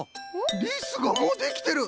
リスがもうできてる！